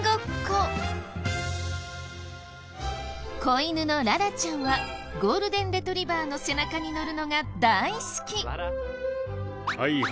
子犬のララちゃんはゴールデンレトリバーの背中に乗るのが大好き！